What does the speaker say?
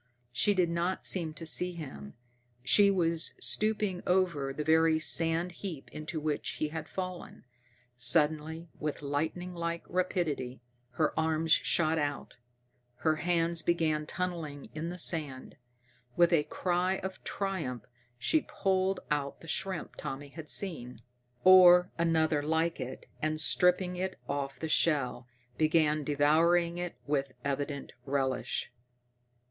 She did not seem to see him. She was stooping over the very sand heap into which he had fallen. Suddenly, with lightning like rapidity, her arms shot out, her hands began tunneling in the sand. With a cry of triumph she pulled out the shrimp Tommy had seen, or another like it, and, stripping it off the shell, began devouring it with evident relish.